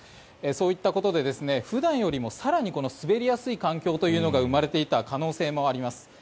そういったことで普段よりも更に滑りやすい環境というのが生まれていた可能性もあります。